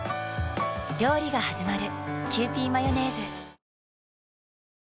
料理がはじまる。